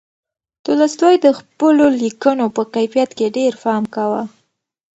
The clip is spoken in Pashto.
تولستوی د خپلو لیکنو په کیفیت کې ډېر پام کاوه.